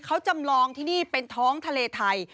เขาจำลองที่นี่เป็นท้องทะเลไทย